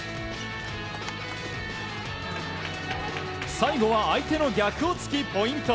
最後は相手の逆を突き、ポイント。